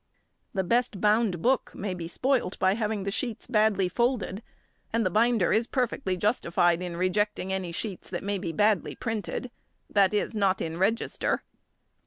The best bound book may be spoilt by having the sheets badly folded, and the binder is perfectly justified in rejecting any sheets that may be badly printed, that is, not in register.